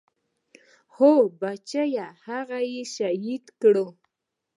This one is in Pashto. هو بچيه هغه يې شهيده کړه.